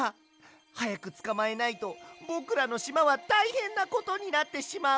はやくつかまえないとぼくらのしまはたいへんなことになってしまう。